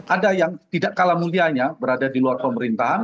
ada yang tidak kalah mulianya berada di luar pemerintahan